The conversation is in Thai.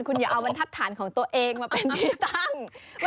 คุณอย่าเอามันทัศนของตัวเองมาเป็นพิตัง